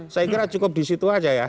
saya kira cukup disitu aja ya